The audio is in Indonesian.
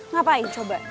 ngapain coba ya kan